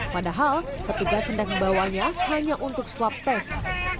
padahal petugas hendak membawanya hanya untuk swab test